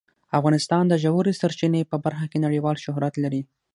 افغانستان د ژورې سرچینې په برخه کې نړیوال شهرت لري.